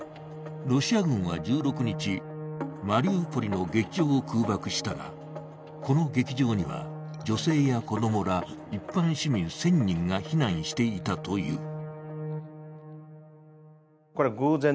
ロシア軍は１６日、マリウポリの劇場を空爆したが、この劇場には女性や子供ら一般市民１０００人が避難していたという。